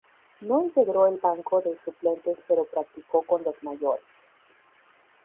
No integró el banco de suplentes pero practicó con los mayores.